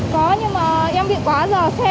có nhưng mà em bị quá dò xe